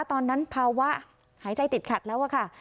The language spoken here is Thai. ตอนนั้นภาวะหายใจติดขัดแล้วอะค่ะ